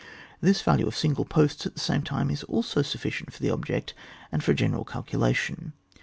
This value of single posts, at the same time, is also sufficient for the object, and for a general calculation.